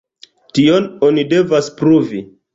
Tion oni devas pruvi.